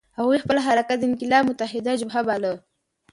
هغوی خپل حرکت د انقلاب متحده جبهه باله.